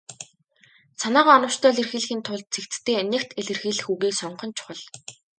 Санаагаа оновчтой илэрхийлэхийн тулд цэгцтэй, нягт илэрхийлэх үгийг сонгох нь чухал.